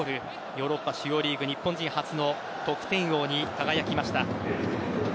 ヨーロッパ主要リーグ日本人初の得点王に輝きました。